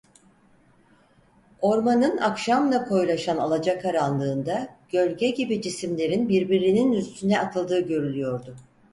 Ormanın akşamla koyulaşan alacakaranlığında gölge gibi cisimlerin birbirinin üstüne atıldığı görülüyordu.